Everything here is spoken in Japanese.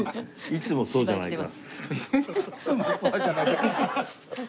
「いつもそうじゃないか」。